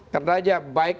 terdapat aja baik